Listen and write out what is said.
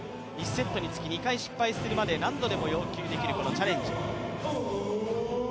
１セットにつき２回失敗するまで何度でも要求できるこのチャレンジ。